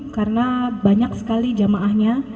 karena banyak sekali jamaahnya